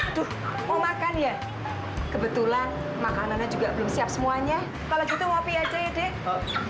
aduh aduh aduh mau makan ya kebetulan makanannya juga belum siap semuanya kalau gitu mau pijek